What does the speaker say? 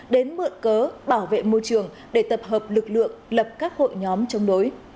đến mượn cớ bảo vệ môi trường để tập hợp lực lượng lập các hội nhóm chống đối